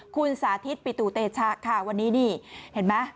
คุณสาธิตปิตุเตชะค่ะวันนี้นี่เห็นไหม